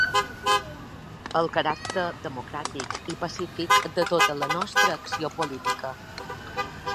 El caràcter democràtic i pacífic de tota la nostra acció política.